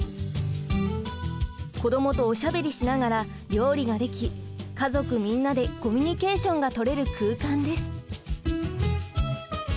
子どもとおしゃべりしながら料理ができ家族みんなでコミュニケーションが取れる空間です。